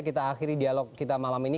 kita akhiri dialog kita malam ini